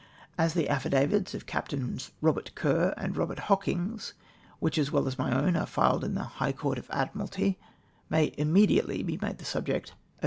" As the affidavits of Captains Eobert Kerr and Eobert Hockings (which, as well as my own, are filed in the High Court of Admiralty) may immediately be made the subject of MY DEPARTURE FOR CHILE.